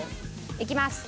いきます。